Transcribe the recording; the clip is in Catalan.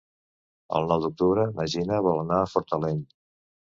El nou d'octubre na Gina vol anar a Fortaleny.